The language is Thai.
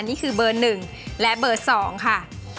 นี่คือเบอร์๑และเบอร์๒ค่ะ